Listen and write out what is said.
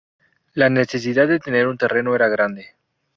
La necesidad de tener un terreno era grande.